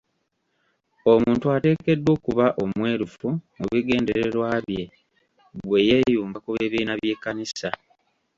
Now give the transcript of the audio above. Omuntu ateekeddwa okuba omwerufu mu bigendererwa bye bwe yeeyunga ku bibiina by'ekkanisa.